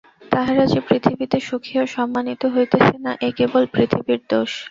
তাহারা যে পৃথিবীতে সুখী ও সম্মানিত হইতেছে না এ কেবল পৃথিবীর দোষ।